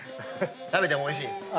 食べてもおいしいです。